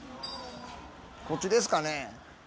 こっちですかね？